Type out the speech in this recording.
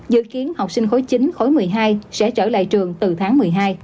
dự kiến học sinh khối chín khối một mươi hai sẽ trở lại trường từ tháng một mươi hai